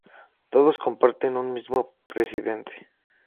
Todos comparten un mismo presidente.